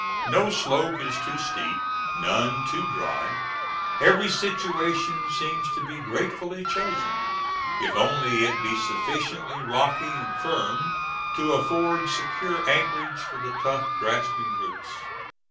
No slope is too steep, none too dry; every situation seems to be gratefully chosen, if only it be sufficiently rocky and firm to afford secure anchorage for the tough, grasping roots.